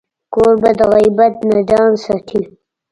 کوربه د غیبت نه ځان ساتي.